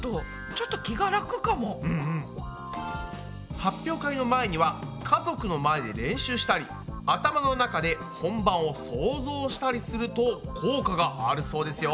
発表会の前には家族の前で練習したり頭の中で本番を想像したりすると効果があるそうですよ。